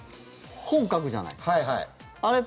本、書くじゃないですか。